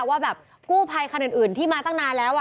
ว่าแบบกู้ภัยคันอื่นที่มาตั้งนานแล้ว